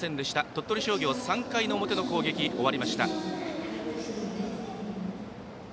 鳥取商業、３回の表の攻撃が終わりました。